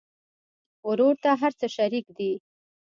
ورور ته هر څه شريک دي.